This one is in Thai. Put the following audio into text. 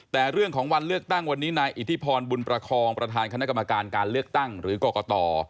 แต่เรื่องของวันเลือกตั้งวันนี้นายอิทธิพรบุญประคองประธานคณะกรรมการการเลือกตั้งหรือกรกต